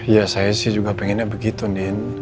ya saya sih juga pengennya begitu nin